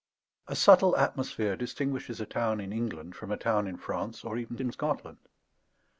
A subtle atmosphere distinguishes a town in England from a town in France, or even in Scotland.